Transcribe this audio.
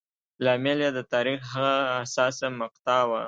لامل یې د تاریخ هغه حساسه مقطعه وه.